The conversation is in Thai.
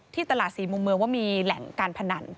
ตลาดสี่มุมเมืองว่ามีแหล่งการพนัน